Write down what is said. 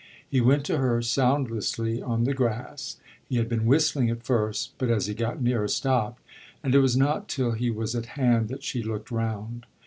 He went to her soundlessly, on the grass he had been whistling at first, but as he got nearer stopped and it was not till he was at hand that she looked round.